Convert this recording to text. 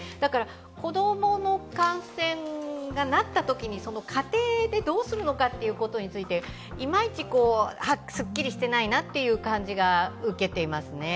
子供の感染があったときに家庭でどうするのかについていまいちすっきりしていないなという感じを受けていますね。